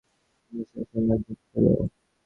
এককালে এই ভারতবর্ষে ধর্মের আর মোক্ষের সামঞ্জস্য ছিল।